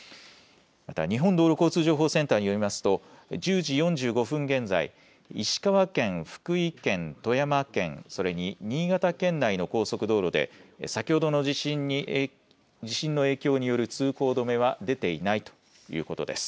また日本道路交通情報センターによりますと１０時４５分現在、石川県、福井県、富山県、それに新潟県内の高速道路で先ほどの地震の影響による通行止めは出ていないということです。